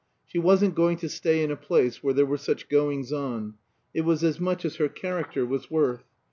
She wasn't going to stay in a place where there were such goings on; it was as much as her character was worth.